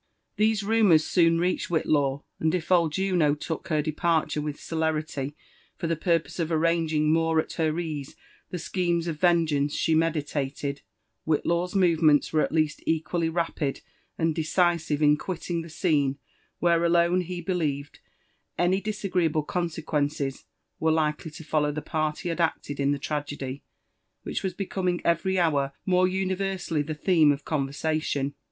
These rumours soon reached Whitlaw ; and if old Juno took her do^ partnre with celerity for the purpose of arranging more at her ease the schemes of vengeance she meditated, Whitlaw's movements were at least equally rapid and decisive in quittiog the scene where alone he believed any disagreeable consequences were likely to follow the part he had acted in the tragedy, which was becoming every hour more universally the theme of conversation.